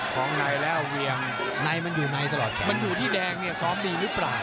ของในแล้วเวียงในมันอยู่ในตลอดมันอยู่ที่แดงเนี่ยซ้อมดีหรือเปล่า